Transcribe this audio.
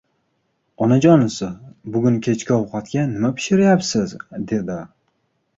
– Onajonisi, bugun kechki ovqatga nima pishiryapsiz? – dedi.